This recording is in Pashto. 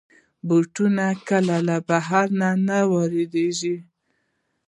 بوټونه کله له بهر نه واردېږي.